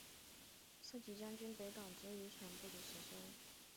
设籍将军北港之渔船不足十艘。